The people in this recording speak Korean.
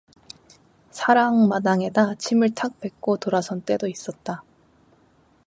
사랑마당에다 침을 탁 뱉고 돌아선 때도 있었다.